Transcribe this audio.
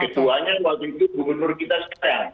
ketuanya waktu itu gubernur kita sekarang